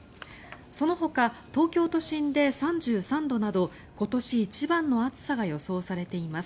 そのほか、東京都心で３３度など今年一番の暑さが予想されています。